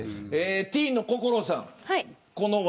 ティーンの心さん。